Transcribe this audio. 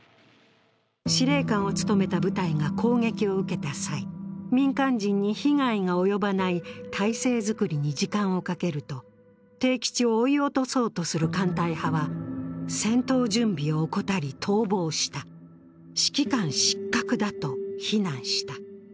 司令官を務めた部隊が攻撃を受けた際、民間人に被害が及ばない態勢作りに時間をかけると、悌吉を負い落とそうとする艦隊派は、戦闘準備を怠り逃亡した、指揮官失格だと非難した。